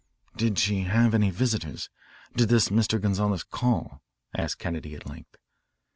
"Did she have any visitors? Did this Mr. Gonzales call?" asked Kennedy at length.